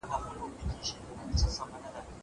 زه پرون سړو ته خواړه ورکړې.